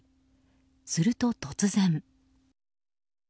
すると突然。